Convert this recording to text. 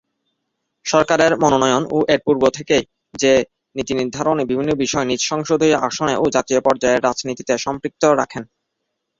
সরকারের মনোনয়ন ও এর পূর্ব থেকেই মে নীতি-নির্ধারণী বিভিন্ন বিষয়ে নিজ সংসদীয় আসনে ও জাতীয় পর্যায়ের রাজনীতিতে সম্পৃক্ত রাখেন।